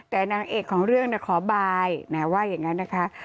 แต่นางเอกของเรื่องขอบายว่าอย่างนั้นนะคะ